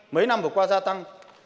mấy năm vừa qua gia tăng